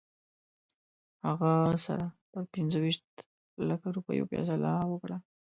هغه سره پر پنځه ویشت لکه روپیو فیصله وکړه.